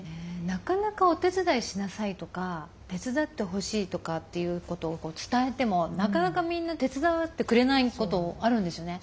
なかなかお手伝いしなさいとか手伝ってほしいとかっていうことを伝えてもなかなかみんな手伝ってくれないことあるんですよね。